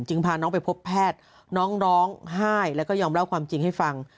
พาน้องไปพบแพทย์น้องร้องไห้แล้วก็ยอมเล่าความจริงให้ฟัง